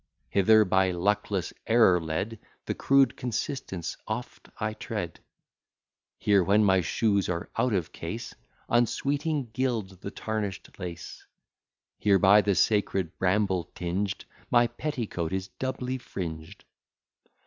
Hither, by luckless error led, The crude consistence oft I tread; Here when my shoes are out of case, Unweeting gild the tarnish'd lace; Here, by the sacred bramble tinged, My petticoat is doubly fringed.